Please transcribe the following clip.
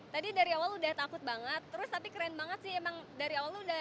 tadi dari awal udah takut banget terus tapi keren banget sih emang dari awal udah